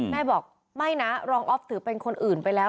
แม่บอกไม่นะรองออฟถือเป็นคนอื่นไปแล้ว